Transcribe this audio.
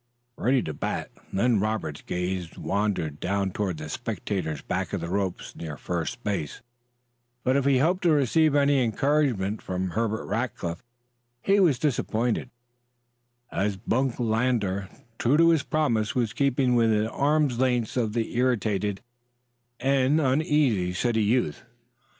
Ready to bat, Len Roberts' gaze wandered toward the spectators back of the ropes near first base; but, if he hoped to receive any encouragement from Herbert Rackliff, he was disappointed, as Bunk Lander, true to his promise, was keeping within arms' length of the irritated and uneasy city youth.